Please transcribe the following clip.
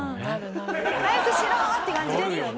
「早くしろ！」って感じですよね。